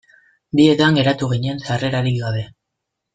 Bietan geratu ginen sarrerarik gabe.